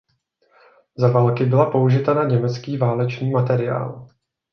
Za války byla použita na německý válečný materiál.